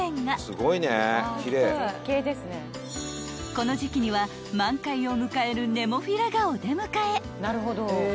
［この時季には満開を迎えるネモフィラがお出迎え］